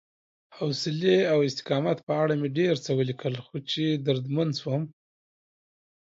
حوصلې او استقامت په اړه مې ډېر څه ولیکل، خو چې دردمن شوم